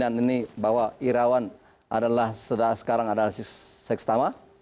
syarat dari pimpinan ini bahwa irawan adalah sekarang adalah seks utama